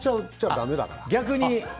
逆に？